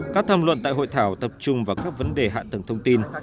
các tham luận tại hội thảo tập trung vào các vấn đề hạ tầng thông tin